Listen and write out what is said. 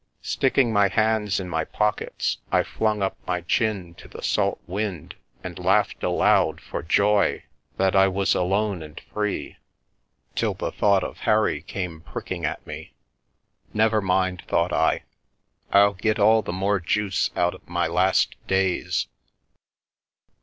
Stick ing my hands in my pockets, I flung up my chin to the salt wind and laughed aloud for joy that I was alone and free, till the thought of Harry came pricking at me. " Never mind," thought I, " I'll get all the more juice out of my last days."